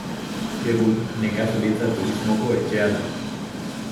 Egun nekazaritza turismoko etxea da.